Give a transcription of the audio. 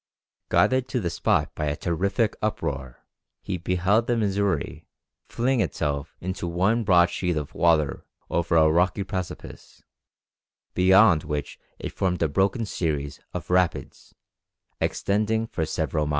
Guided to the spot by a terrific uproar, he beheld the Missouri fling itself in one broad sheet of water over a rocky precipice, beyond which it formed a broken series of rapids, extending for several miles.